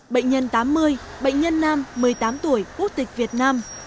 bệnh nhân tám mươi bệnh nhân nam một mươi tám tuổi quốc tịch việt nam